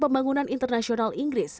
pembangunan internasional inggris